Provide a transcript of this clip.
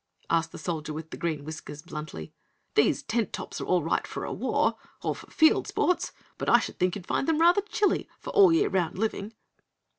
asked the Soldier with Green Whiskers, bluntly. "These tent tops are all right for a war, or for field sports, but I should think you'd find them rather chilly for all year 'round living."